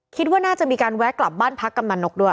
คิดว่าน่าจะมีการแวะกลับบ้านพักกำนันนกด้วย